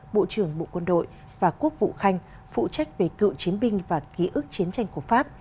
bộ trưởng bộ quân đội và quốc vụ khanh phụ trách về cựu chiến binh và ký ức chiến tranh của pháp